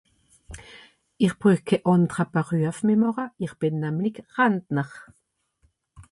Ich brüch ke àndre Beruef meh màche, ich bin namlig Rantner